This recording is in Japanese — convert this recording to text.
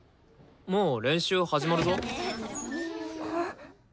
もう練習始まるぞ。